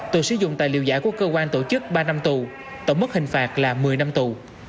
tội sử dụng tài liệu giả của cơ quan tổ chức ba năm tù tổng mức hình phạt là một mươi năm tù